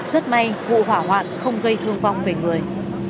rất may vụ hỏa hoạn không gây thương vong về người